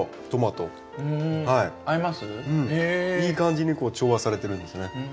いい感じに調和されてるんですね。